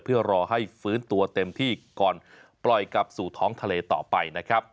เพื่อรอให้ฟื้นตัวเต็มที่ก่อนปล่อยกลับสู่ท้องทะเลต่อไปนะครับ